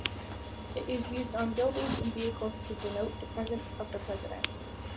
It is used on buildings and vehicles to denote the presence of the president.